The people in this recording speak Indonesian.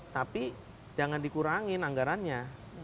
tapi jangan dikurangin anggarannya